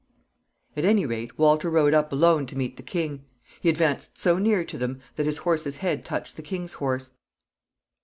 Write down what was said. At any rate, Walter rode up alone to meet the king. He advanced so near to him that his horse's head touched the king's horse.